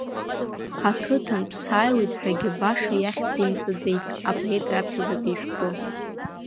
Ақыҭантә саауеит ҳәагьы баша иахьӡимҵаӡеит апоет раԥхьаӡатәи ишәҟәы.